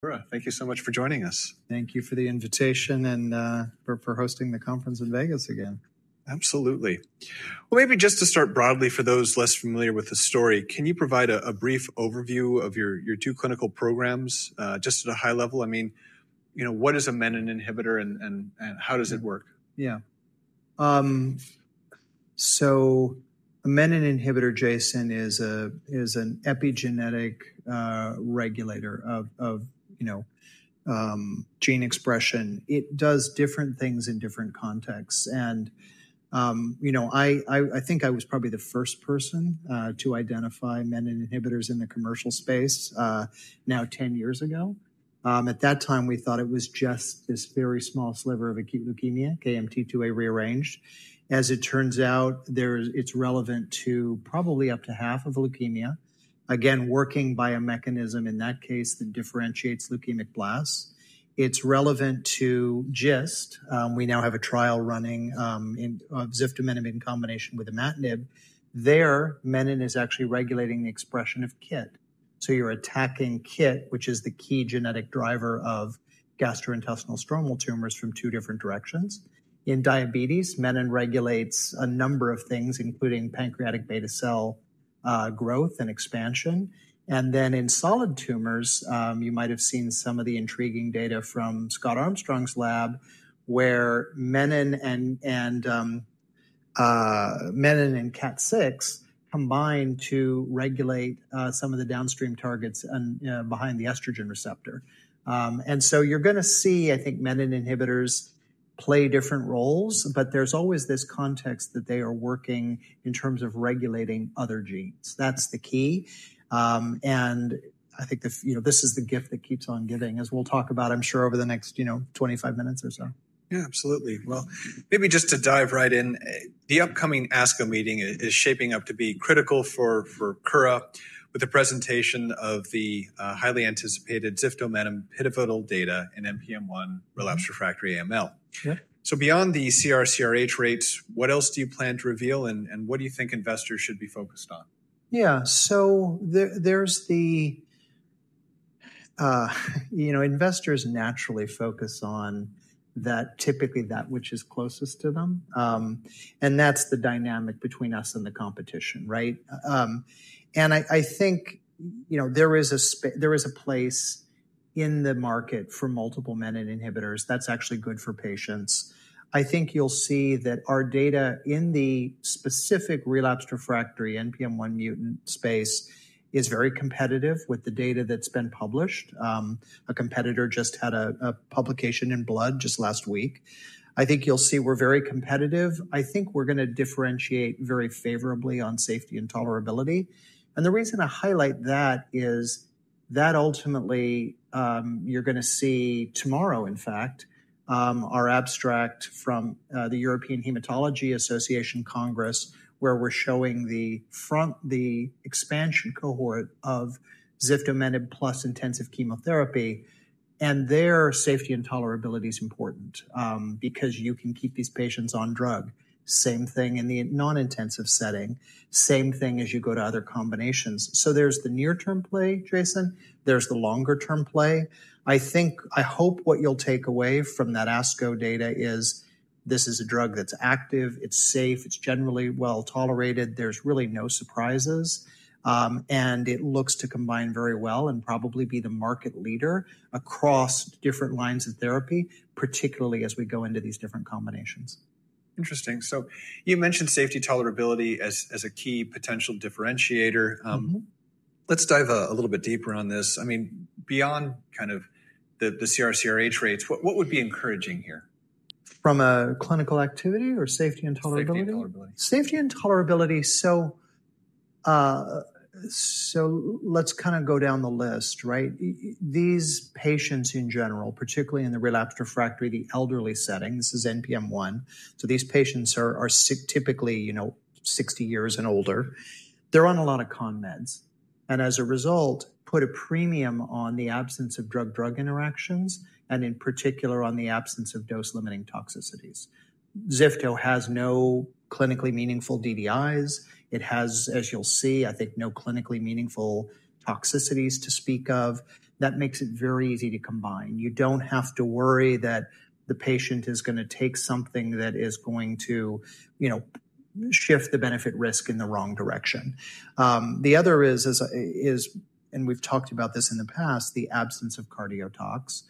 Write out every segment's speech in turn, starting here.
Kura, thank you so much for joining us. Thank you for the invitation and for hosting the conference in Vegas again. Absolutely. Maybe just to start broadly, for those less familiar with the story, can you provide a brief overview of your two clinical programs just at a high level? I mean, you know, what is a menin inhibitor and how does it work? Yeah. So a menin inhibitor, Jason, is an epigenetic regulator of, you know, gene expression. It does different things in different contexts. You know, I think I was probably the first person to identify menin inhibitors in the commercial space now 10 years ago. At that time, we thought it was just this very small sliver of acute leukemia, KMT2A-rearranged. As it turns out, it's relevant to probably up to half of leukemia, again, working by a mechanism in that case that differentiates leukemic blasts. It's relevant to GIST. We now have a trial running of ziftomenib in combination with imatinib. There, menin is actually regulating the expression of KIT. So you're attacking KIT, which is the key genetic driver of gastrointestinal stromal tumors from two different directions. In diabetes, menin regulates a number of things, including pancreatic beta cell growth and expansion. In solid tumors, you might have seen some of the intriguing data from Scott Armstrong's lab, where menin and KAT6 combine to regulate some of the downstream targets behind the estrogen receptor. You are going to see, I think, menin inhibitors play different roles, but there is always this context that they are working in terms of regulating other genes. That is the key. I think, you know, this is the gift that keeps on giving, as we will talk about, I am sure, over the next, you know, 25 minutes or so. Yeah, absolutely. Maybe just to dive right in, the upcoming ASCO meeting is shaping up to be critical for Kura with the presentation of the highly anticipated ziftomenib pivotal data in NPM1 relapse refractory AML. Beyond the CR/CRh rates, what else do you plan to reveal and what do you think investors should be focused on? Yeah, so there's the, you know, investors naturally focus on that, typically that which is closest to them. That's the dynamic between us and the competition, right? I think, you know, there is a place in the market for multiple menin inhibitors. That's actually good for patients. I think you'll see that our data in the specific relapse refractory NPM1 mutant space is very competitive with the data that's been published. A competitor just had a publication in Blood just last week. I think you'll see we're very competitive. I think we're going to differentiate very favorably on safety and tolerability. The reason I highlight that is that ultimately you're going to see tomorrow, in fact, our abstract from the European Hematology Association Congress, where we're showing the expansion cohort of ziftomenib plus intensive chemotherapy. Their safety and tolerability is important because you can keep these patients on drug. Same thing in the non-intensive setting. Same thing as you go to other combinations. There is the near-term play, Jason. There is the longer-term play. I think, I hope what you'll take away from that ASCO data is this is a drug that's active, it's safe, it's generally well tolerated, there's really no surprises. It looks to combine very well and probably be the market leader across different lines of therapy, particularly as we go into these different combinations. Interesting. You mentioned safety tolerability as a key potential differentiator. Let's dive a little bit deeper on this. I mean, beyond kind of the CR/CRh rates, what would be encouraging here? From a clinical activity or safety and tolerability? Safety and tolerability. Safety and tolerability. Let's kind of go down the list, right? These patients in general, particularly in the relapse refractory, the elderly setting, this is NPM1. These patients are typically, you know, 60 years and older. They're on a lot of con meds. As a result, put a premium on the absence of drug-drug interactions and in particular on the absence of dose-limiting toxicities. Zifto has no clinically meaningful DDIs. It has, as you'll see, I think no clinically meaningful toxicities to speak of. That makes it very easy to combine. You don't have to worry that the patient is going to take something that is going to, you know, shift the benefit risk in the wrong direction. The other is, and we've talked about this in the past, the absence of cardiotox.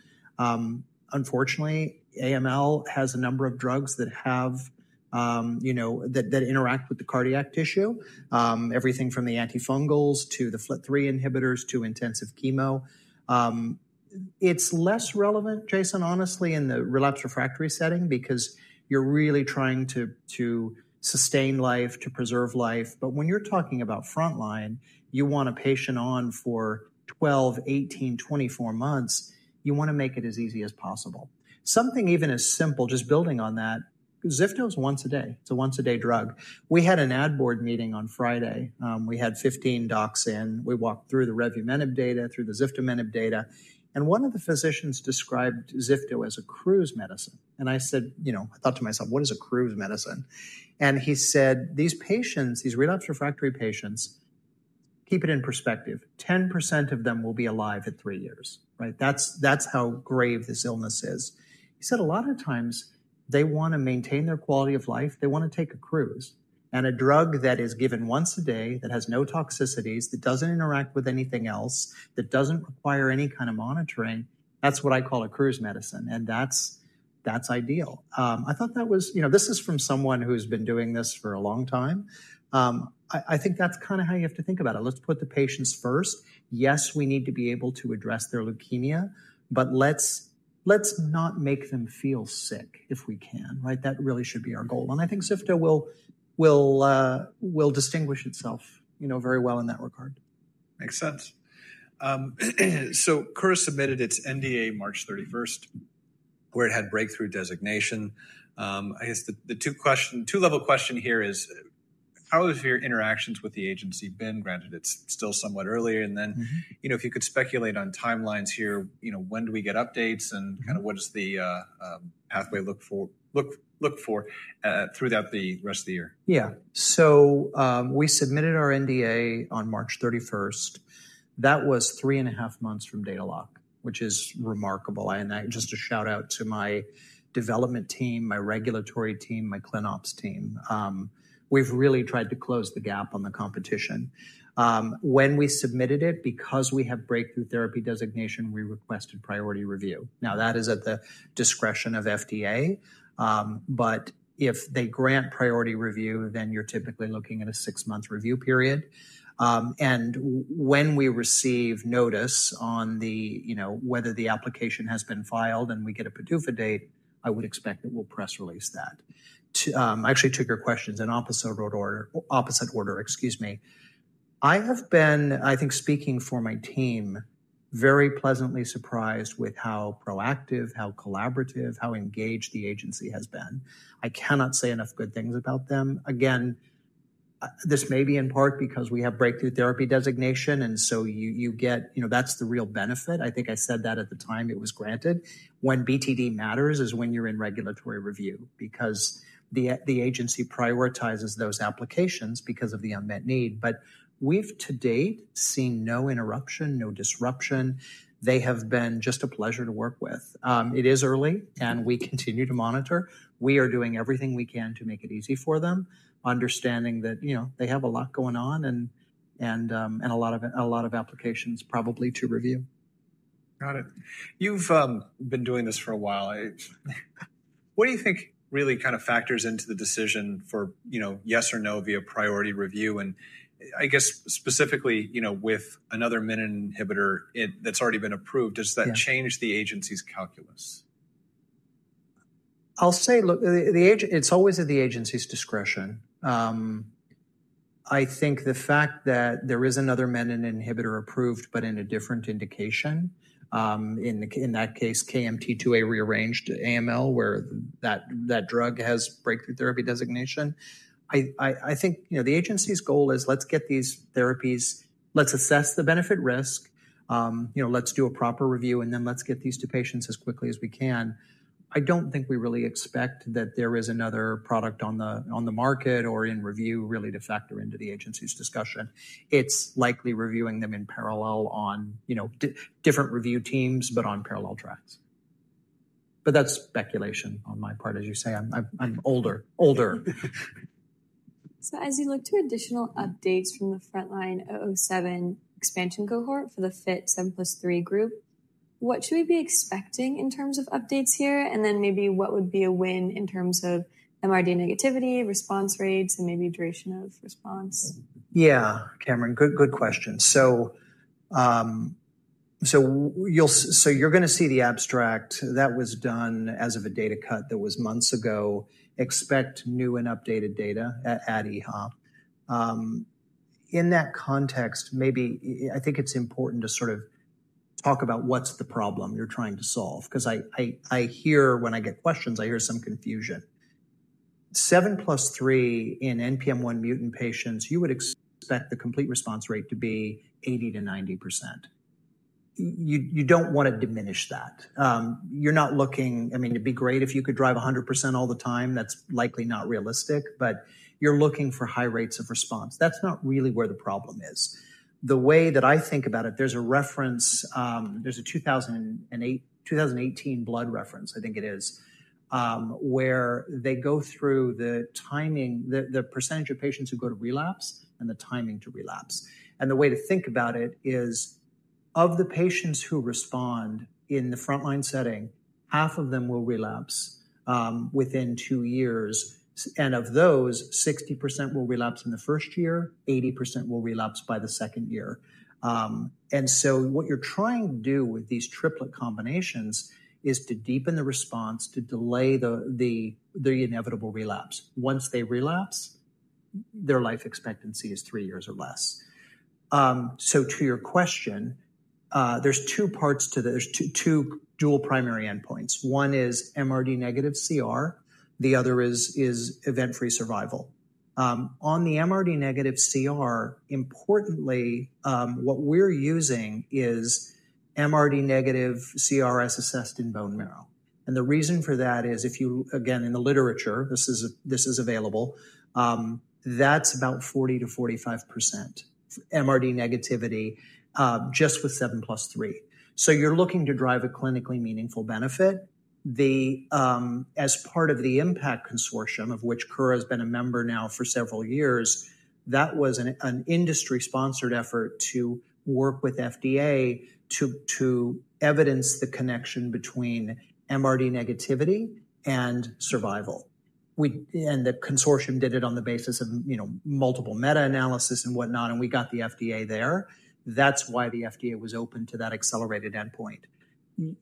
Unfortunately, AML has a number of drugs that have, you know, that interact with the cardiac tissue, everything from the antifungals to the FLT3 inhibitors to intensive chemo. It's less relevant, Jason, honestly, in the relapse refractory setting because you're really trying to sustain life, to preserve life. When you're talking about frontline, you want a patient on for 12 months, 18 months, 24 months, you want to make it as easy as possible. Something even as simple, just building on that, zifto is once a day. It's a once-a-day drug. We had an ad board meeting on Friday. We had 15 docs in. We walked through the revumenib data, through the ziftomenib data. One of the physicians described zifto as a cruise medicine. I said, you know, I thought to myself, what is a cruise medicine? He said, these patients, these relapse refractory patients, keep it in perspective. 10% of them will be alive at three years, right? That is how grave this illness is. He said a lot of times they want to maintain their quality of life. They want to take a cruise. A drug that is given once a day that has no toxicities, that does not interact with anything else, that does not require any kind of monitoring, that is what I call a cruise medicine. That is ideal. I thought that was, you know, this is from someone who has been doing this for a long time. I think that is kind of how you have to think about it. Let us put the patients first. Yes, we need to be able to address their leukemia, but let us not make them feel sick if we can, right? That really should be our goal. I think ziftomenib will distinguish itself, you know, very well in that regard. Makes sense. Kura submitted its NDA March 31st, where it had breakthrough designation. I guess the two-level question here is, how have your interactions with the agency been? Granted, it's still somewhat earlier. And then, you know, if you could speculate on timelines here, you know, when do we get updates and kind of what does the pathway look for throughout the rest of the year? Yeah. So we submitted our NDA on March 31st. That was three and a half months from date of lock, which is remarkable. And just a shout out to my development team, my regulatory team, my clean ops team. We've really tried to close the gap on the competition. When we submitted it, because we have Breakthrough Therapy Designation, we requested priority review. Now, that is at the discretion of FDA. If they grant priority review, then you're typically looking at a six-month review period. When we receive notice on the, you know, whether the application has been filed and we get a PDUFA date, I would expect that we'll press release that. I actually took your questions in opposite order, excuse me. I have been, I think, speaking for my team, very pleasantly surprised with how proactive, how collaborative, how engaged the agency has been. I cannot say enough good things about them. Again, this may be in part because we have Breakthrough Therapy Designation. You get, you know, that's the real benefit. I think I said that at the time it was granted. When BTD matters is when you're in regulatory review because the agency prioritizes those applications because of the unmet need. We've to date seen no interruption, no disruption. They have been just a pleasure to work with. It is early and we continue to monitor. We are doing everything we can to make it easy for them, understanding that, you know, they have a lot going on and a lot of applications probably to review. Got it. You've been doing this for a while. What do you think really kind of factors into the decision for, you know, yes or no via priority review? I guess specifically, you know, with another menin inhibitor that's already been approved, does that change the agency's calculus? I'll say, look, it's always at the agency's discretion. I think the fact that there is another menin inhibitor approved, but in a different indication, in that case, KMT2A-rearranged AML, where that drug has Breakthrough Therapy Designation. I think, you know, the agency's goal is let's get these therapies, let's assess the benefit risk, you know, let's do a proper review, and then let's get these to patients as quickly as we can. I don't think we really expect that there is another product on the market or in review really to factor into the agency's discussion. It's likely reviewing them in parallel on, you know, different review teams, but on parallel tracks. That is speculation on my part, as you say. I'm older. As you look to additional updates from the frontline 007 expansion cohort for the FIT 7+3 group, what should we be expecting in terms of updates here? Maybe what would be a win in terms of MRD negativity, response rates, and maybe duration of response? Yeah, [Cameron], good question. You're going to see the abstract. That was done as of a data cut that was months ago. Expect new and updated data at EHA. In that context, maybe I think it's important to sort of talk about what's the problem you're trying to solve. Because I hear when I get questions, I hear some confusion. 7+3 in NPM1 mutant patients, you would expect the complete response rate to be 80%-90%. You don't want to diminish that. You're not looking, I mean, it'd be great if you could drive 100% all the time. That's likely not realistic, but you're looking for high rates of response. That's not really where the problem is. The way that I think about it, there's a reference, there's a 2018 Blood reference, I think it is, where they go through the timing, the percentage of patients who go to relapse and the timing to relapse. The way to think about it is of the patients who respond in the frontline setting, half of them will relapse within two years. Of those, 60% will relapse in the first year, 80% will relapse by the second year. What you're trying to do with these triplet combinations is to deepen the response, to delay the inevitable relapse. Once they relapse, their life expectancy is three years or less. To your question, there's two parts to this. There's two dual primary endpoints. One is MRD negative CR. The other is event-free survival. On the MRD negative CR, importantly, what we're using is MRD negative CRs assessed in bone marrow. The reason for that is if you, again, in the literature, this is available, that's about 40%-45% MRD negativity just with 7+3. You are looking to drive a clinically meaningful benefit. As part of the MMPACT Consortium of which Kura has been a member now for several years, that was an industry-sponsored effort to work with the FDA to evidence the connection between MRD negativity and survival. The consortium did it on the basis of, you know, multiple meta-analyses and whatnot, and we got the FDA there. That is why the FDA was open to that accelerated endpoint.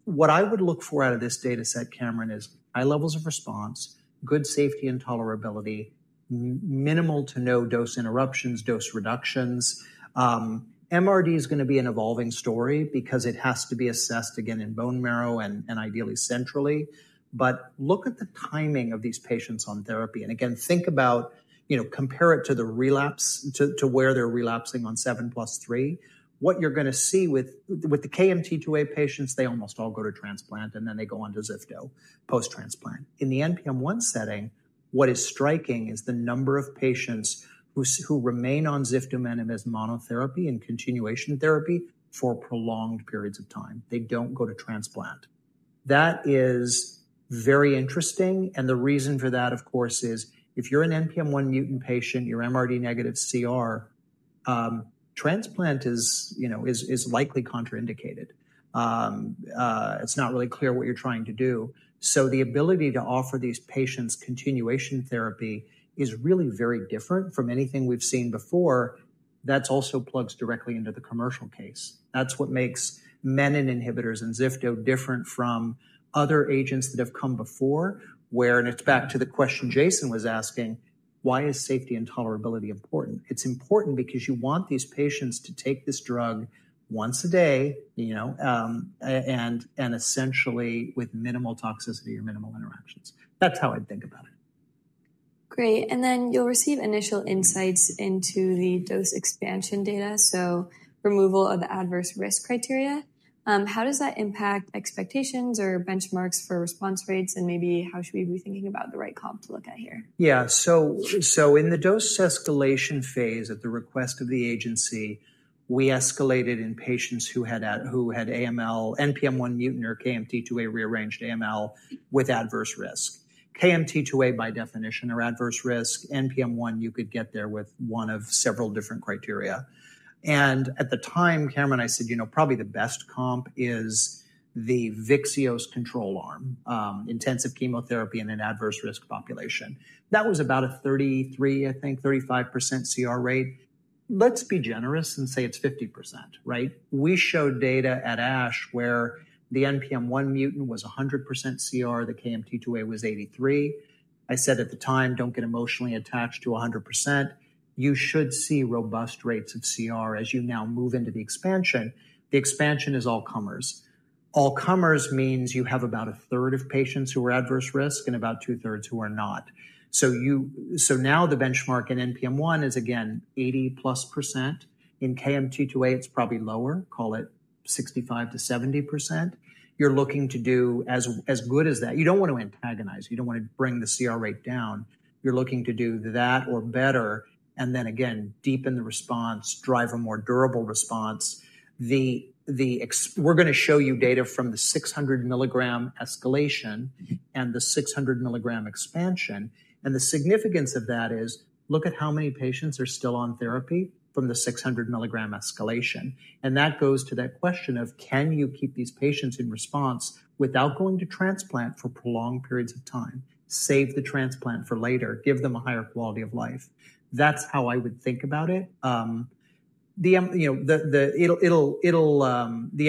What I would look for out of this data set, Cameron, is high levels of response, good safety and tolerability, minimal to no dose interruptions, dose reductions. MRD is going to be an evolving story because it has to be assessed again in bone marrow and ideally centrally. Look at the timing of these patients on therapy. Again, think about, you know, compare it to the relapse, to where they're relapsing on 7+3. What you're going to see with the KMT2A patients, they almost all go to transplant and then they go on to zifto post-transplant. In the NPM1 setting, what is striking is the number of patients who remain on zifto as monotherapy and continuation therapy for prolonged periods of time. They don't go to transplant. That is very interesting. The reason for that, of course, is if you're an NPM1 mutant patient, you're MRD negative CR, transplant is, you know, is likely contraindicated. It's not really clear what you're trying to do. The ability to offer these patients continuation therapy is really very different from anything we've seen before. That also plugs directly into the commercial case. That's what makes menin inhibitors and ziftomenib different from other agents that have come before, where it's back to the question Jason was asking, why is safety and tolerability important? It's important because you want these patients to take this drug once a day, you know, and essentially with minimal toxicity or minimal interactions. That's how I'd think about it. Great. You will receive initial insights into the dose expansion data. Removal of the adverse risk criteria, how does that impact expectations or benchmarks for response rates? Maybe how should we be thinking about the right comp to look at here? Yeah. In the dose escalation phase at the request of the agency, we escalated in patients who had AML, NPM1 mutant or KMT2A-rearranged AML with adverse risk. KMT2A by definition are adverse risk. NPM1, you could get there with one of several different criteria. At the time, Cameron, I said, you know, probably the best comp is the VYXEOS control arm, intensive chemotherapy in an adverse risk population. That was about a 33, I think, 35% CR rate. Let's be generous and say it's 50%, right? We showed data at ASH where the NPM1 mutant was 100% CR, the KMT2A was 83%. I said at the time, don't get emotionally attached to 100%. You should see robust rates of CR as you now move into the expansion. The expansion is all comers. All comers means you have about a third of patients who are adverse risk and about two-thirds who are not. The benchmark in NPM1 is again 80+%. In KMT2A, it's probably lower, call it 65%-70%. You're looking to do as good as that. You don't want to antagonize. You don't want to bring the CR rate down. You're looking to do that or better. Then again, deepen the response, drive a more durable response. We're going to show you data from the 600 milligram escalation and the 600 mg expansion. The significance of that is look at how many patients are still on therapy from the 600 mg escalation. That goes to that question of can you keep these patients in response without going to transplant for prolonged periods of time? Save the transplant for later. Give them a higher quality of life. That is how I would think about it. The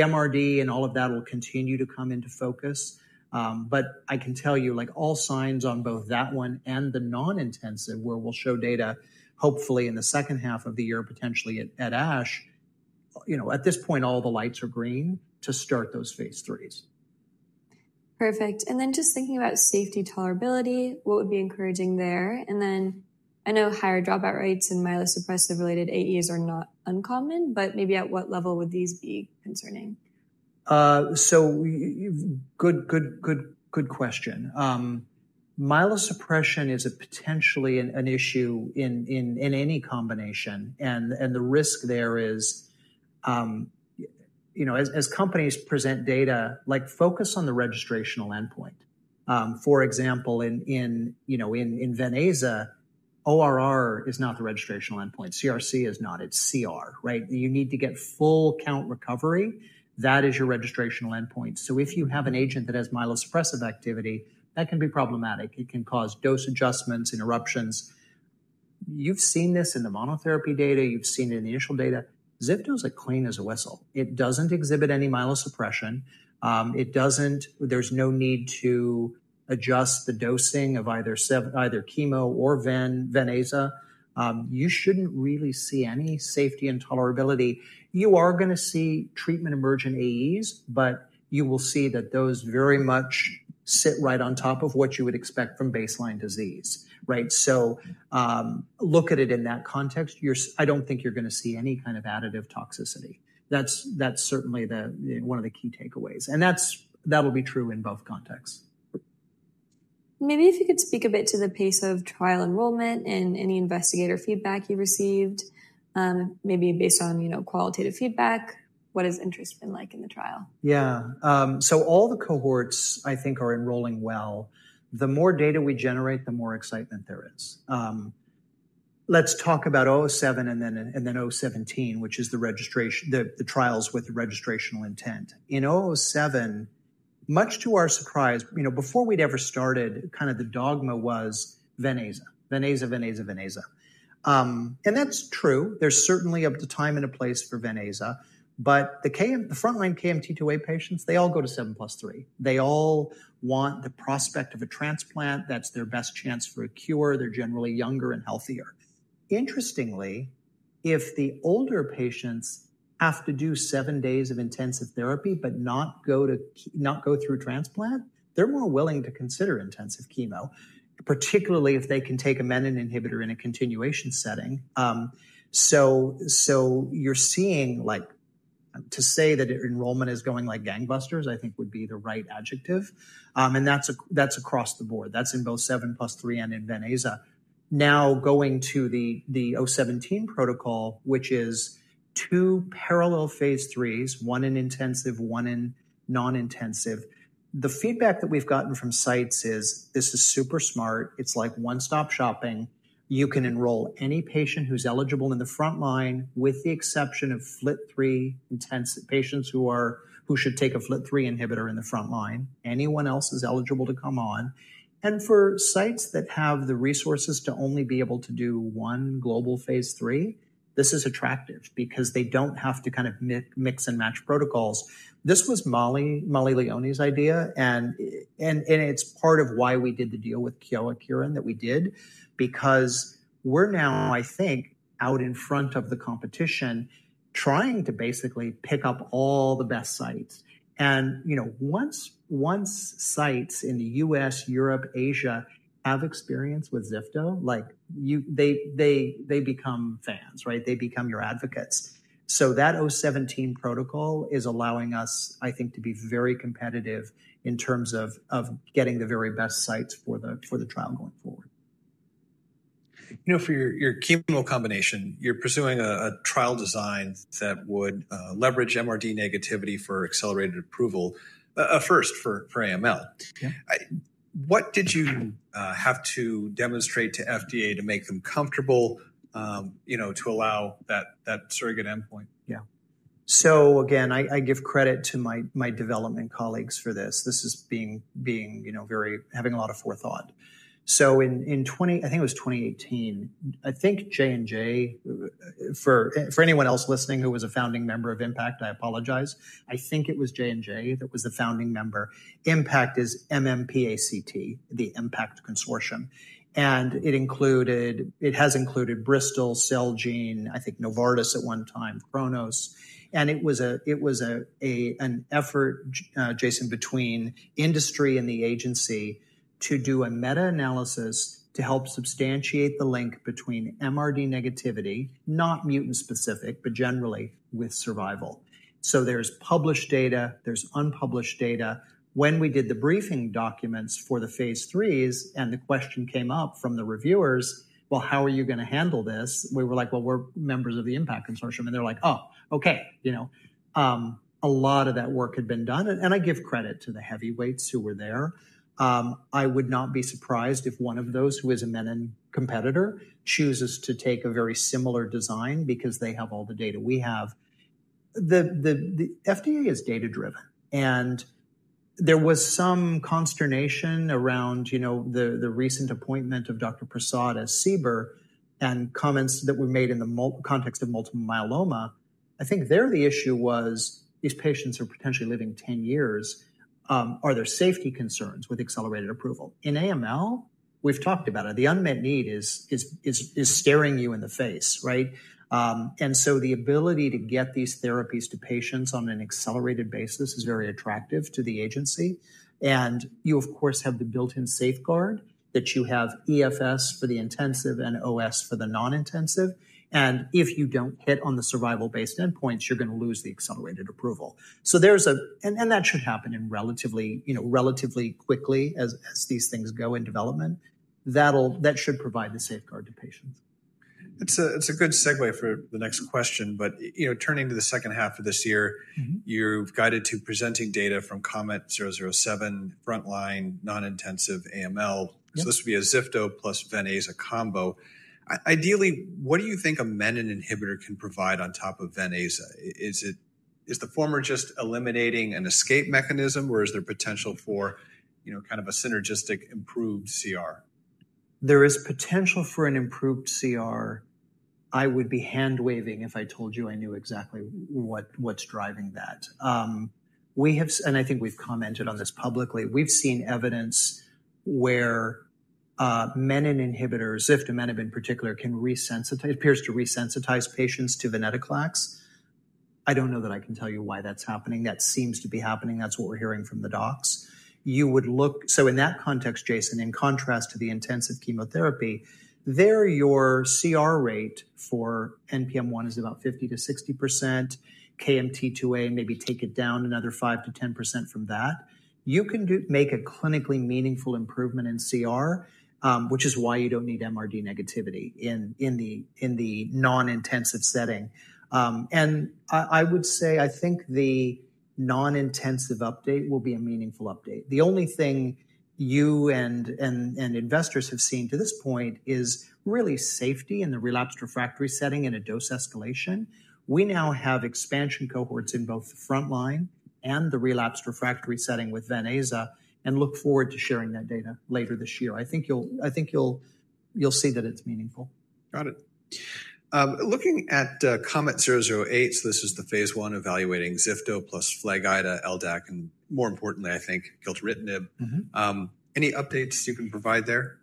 MRD and all of that will continue to come into focus. I can tell you, like all signs on both that one and the non-intensive where we will show data hopefully in the second half of the year, potentially at ASH, you know, at this point, all the lights are green to start those phase IIIs. Perfect. Just thinking about safety tolerability, what would be encouraging there? I know higher dropout rates and myelosuppressive-related AEs are not uncommon, but maybe at what level would these be concerning? Good question. Myelosuppression is potentially an issue in any combination. The risk there is, you know, as companies present data, like focus on the registrational endpoint. For example, in Ven/Aza, ORR is not the registrational endpoint. CRC is not. It's CR, right? You need to get full count recovery. That is your registrational endpoint. If you have an agent that has myelosuppressive activity, that can be problematic. It can cause dose adjustments, interruptions. You've seen this in the monotherapy data. You've seen it in the initial data. ziftomenib is clean as a whistle. It doesn't exhibit any myelosuppression. There's no need to adjust the dosing of either chemo or Ven/Aza. You shouldn't really see any safety and tolerability. You are going to see treatment emergent AEs, but you will see that those very much sit right on top of what you would expect from baseline disease, right? Look at it in that context. I do not think you are going to see any kind of additive toxicity. That is certainly one of the key takeaways. That will be true in both contexts. Maybe if you could speak a bit to the pace of trial enrollment and any investigator feedback you received, maybe based on, you know, qualitative feedback, what has interest been like in the trial? Yeah. So all the cohorts, I think, are enrolling well. The more data we generate, the more excitement there is. Let's talk about 007 and then 017, which is the trials with registrational intent. In 007, much to our surprise, you know, before we'd ever started, kind of the dogma was Ven/Aza, Ven/Aza, Ven/Aza, Ven/Aza. That's true. There's certainly a time and a place for Ven/Aza. The frontline KMT2A patients, they all go to 7+3. They all want the prospect of a transplant. That's their best chance for a cure. They're generally younger and healthier. Interestingly, if the older patients have to do seven days of intensive therapy, but not go through transplant, they're more willing to consider intensive chemo, particularly if they can take a menin inhibitor in a continuation setting. You're seeing, like, to say that enrollment is going like gangbusters, I think would be the right adjective. That's across the board. That's in both 7+3 and in Ven/Aza. Now going to the 017 protocol, which is two parallel phase IIIs, one in intensive, one in non-intensive. The feedback that we've gotten from sites is this is super smart. It's like one-stop shopping. You can enroll any patient who's eligible in the frontline with the exception of FLT3 patients who should take a FLT3 inhibitor in the frontline. Anyone else is eligible to come on. For sites that have the resources to only be able to do one global phase III, this is attractive because they don't have to kind of mix and match protocols. This was Mollie Leoni's idea. It's part of why we did the deal with Kyowa Kirin that we did because we're now, I think, out in front of the competition trying to basically pick up all the best sites. You know, once sites in the U.S., Europe, Asia have experience with ziftomenib, like they become fans, right? They become your advocates. That 017 protocol is allowing us, I think, to be very competitive in terms of getting the very best sites for the trial going forward. You know, for your chemo combination, you're pursuing a trial design that would leverage MRD negativity for accelerated approval first for AML. What did you have to demonstrate to FDA to make them comfortable, you know, to allow that surrogate endpoint? Yeah. So again, I give credit to my development colleagues for this. This is being, you know, very, having a lot of forethought. In 2018, I think J&J, for anyone else listening who was a founding member of MMPACT, I apologize. I think it was J&J that was the founding member. MMPACT is MMPACT, the MMPACT Consortium. It included, it has included Bristol, Celgene, I think Novartis at one time, Kronos. It was an effort, Jason, between industry and the agency to do a meta-analysis to help substantiate the link between MRD negativity, not mutant specific, but generally with survival. There is published data, there is unpublished data. When we did the briefing documents for the phase IIIs and the question came up from the reviewers, well, how are you going to handle this? We were like, well, we're members of the MMPACT Consortium. And they're like, oh, okay, you know. A lot of that work had been done. And I give credit to the heavyweights who were there. I would not be surprised if one of those who is a menin competitor chooses to take a very similar design because they have all the data we have. The FDA is data-driven. And there was some consternation around, you know, the recent appointment of Dr. Prasad as CBER and comments that were made in the context of multiple myeloma. I think there the issue was these patients are potentially living 10 years. Are there safety concerns with accelerated approval? In AML, we've talked about it. The unmet need is staring you in the face, right? The ability to get these therapies to patients on an accelerated basis is very attractive to the agency. You, of course, have the built-in safeguard that you have EFS for the intensive and OS for the non-intensive. If you do not hit on the survival-based endpoints, you are going to lose the accelerated approval. There is a, and that should happen relatively, you know, relatively quickly as these things go in development. That should provide the safeguard to patients. It's a good segue for the next question, but, you know, turning to the second half of this year, you've guided to presenting data from KOMET-007, frontline, non-intensive AML. So this would be a ziftomenib plus Ven/Aza combo. Ideally, what do you think a menin inhibitor can provide on top of Ven/Aza? Is the former just eliminating an escape mechanism, or is there potential for, you know, kind of a synergistic improved CR? There is potential for an improved CR. I would be hand-waving if I told you I knew exactly what's driving that. We have, and I think we've commented on this publicly, we've seen evidence where menin inhibitors, ziftomenib in particular, can resensitize, appears to resensitize patients to venetoclax. I don't know that I can tell you why that's happening. That seems to be happening. That's what we're hearing from the docs. You would look, so in that context, Jason, in contrast to the intensive chemotherapy, there your CR rate for NPM1 is about 50%-60%. KMT2A maybe take it down another 5%-10% from that. You can make a clinically meaningful improvement in CR, which is why you don't need MRD negativity in the non-intensive setting. I would say, I think the non-intensive update will be a meaningful update. The only thing you and investors have seen to this point is really safety in the relapsed refractory setting and a dose escalation. We now have expansion cohorts in both the frontline and the relapsed refractory setting with Ven/Aza and look forward to sharing that data later this year. I think you'll see that it's meaningful. Got it. Looking at KOMET-008, this is the phase I evaluating zifto plus FLAG-IDA, LDAC, and more importantly, I think, gilteritinib. Any updates you can provide there?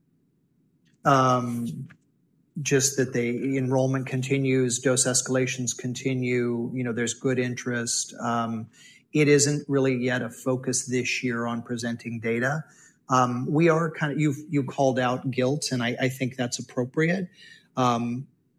Just that the enrollment continues, dose escalations continue. You know, there's good interest. It isn't really yet a focus this year on presenting data. We are kind of, you called out gilt, and I think that's appropriate.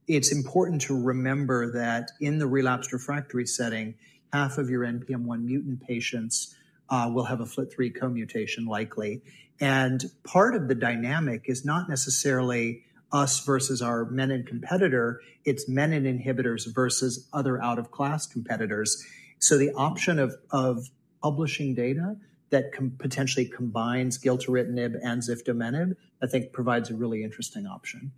It's important to remember that in the relapsed refractory setting, half of your NPM1 mutant patients will have a FLT3 co-mutation likely. And part of the dynamic is not necessarily us versus our menin competitor. It's menin inhibitors versus other out-of-class competitors. So the option of publishing data that potentially combines gilteritinib and ziftomenib, I think provides a really interesting option.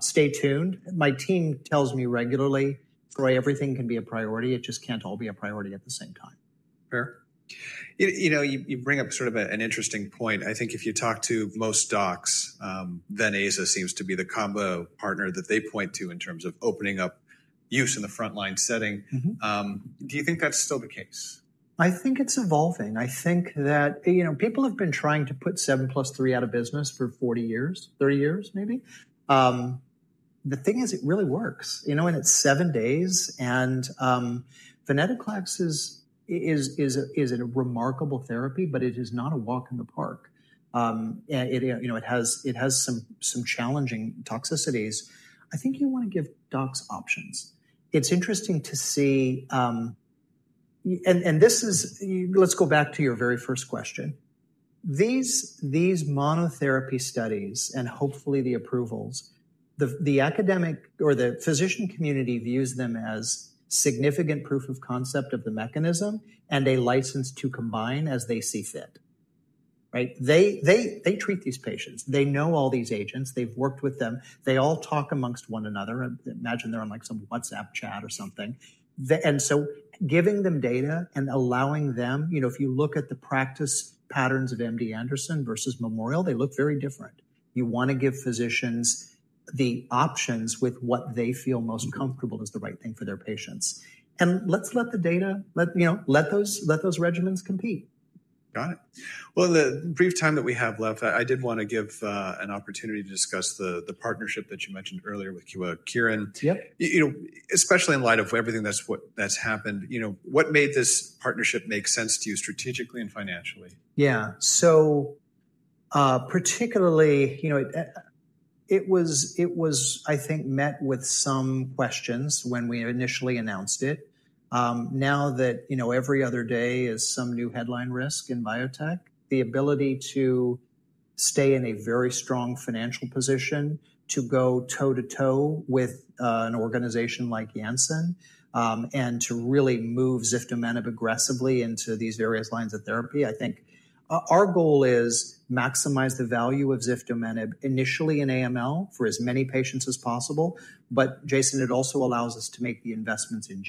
Stay tuned. My team tells me regularly, Troy, everything can be a priority. It just can't all be a priority at the same time. Fair. You know, you bring up sort of an interesting point. I think if you talk to most docs, Ven/Aza seems to be the combo partner that they point to in terms of opening up use in the frontline setting. Do you think that's still the case? I think it's evolving. I think that, you know, people have been trying to put 7+3 out of business for 40 years, 30 years maybe. The thing is it really works, you know, and it's seven days. And venetoclax is a remarkable therapy, but it is not a walk in the park. You know, it has some challenging toxicities. I think you want to give docs options. It's interesting to see, and this is, let's go back to your very first question. These monotherapy studies and hopefully the approvals, the academic or the physician community views them as significant proof of concept of the mechanism and a license to combine as they see fit, right? They treat these patients. They know all these agents. They've worked with them. They all talk amongst one another. Imagine they're on like some WhatsApp chat or something. Giving them data and allowing them, you know, if you look at the practice patterns of MD Anderson versus Memorial, they look very different. You want to give physicians the options with what they feel most comfortable is the right thing for their patients. Let's let the data, you know, let those regimens compete. Got it. In the brief time that we have left, I did want to give an opportunity to discuss the partnership that you mentioned earlier with Kyowa Kirin [tech]. You know, especially in light of everything that's happened, you know, what made this partnership make sense to you strategically and financially? Yeah. So particularly, you know, it was, I think, met with some questions when we initially announced it. Now that, you know, every other day is some new headline risk in biotech, the ability to stay in a very strong financial position, to go toe-to-toe with an organization like Janssen, and to really move ziftomenib aggressively into these various lines of therapy. I think our goal is to maximize the value of ziftomenib initially in AML for as many patients as possible. But Jason, it also allows us to make the investments in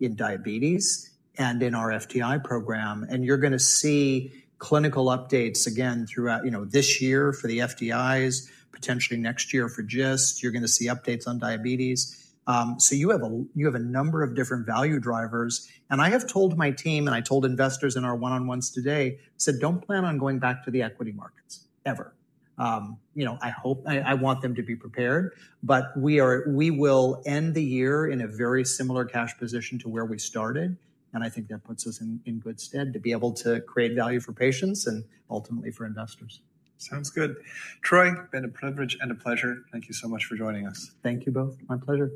GIST, in diabetes, and in our FTI program. And you're going to see clinical updates again throughout, you know, this year for the FTIs, potentially next year for GIST. You're going to see updates on diabetes. So you have a number of different value drivers. I have told my team, and I told investors in our one-on-ones today, I said, don't plan on going back to the equity markets ever. You know, I hope, I want them to be prepared, but we will end the year in a very similar cash position to where we started. I think that puts us in good stead to be able to create value for patients and ultimately for investors. Sounds good. Troy, been a privilege and a pleasure. Thank you so much for joining us. Thank you both. My pleasure.